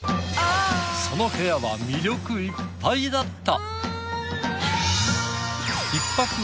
その部屋は魅力いっぱいだった！